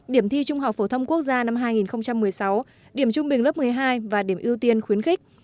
điểm thi trung học phổ thông quốc gia năm hai nghìn một mươi sáu điểm trung bình lớp một mươi hai và điểm ưu tiên khuyến khích